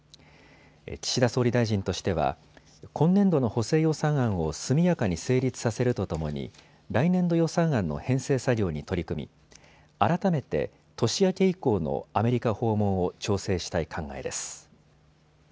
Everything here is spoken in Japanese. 岸田総理大臣としては今年度の補正予算案を速やかに成立させるとともに来年度予算案の編成作業に取り組み改めて、年明け以降のアメリカ訪問を調整したい考えです。